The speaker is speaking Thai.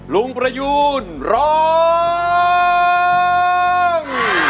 ลุงประยูนร้อง